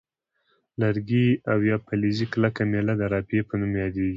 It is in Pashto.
لرګی او یا فلزي کلکه میله د رافعې په نوم یادیږي.